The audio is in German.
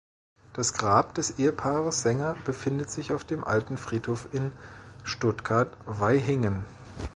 Das Grab des Ehepaars Sänger befindet sich auf dem Alten Friedhof in Stuttgart-Vaihingen.